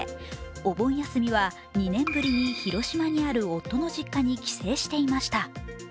お盆休みは２年ぶりに広島にある夫の実家に帰省していました。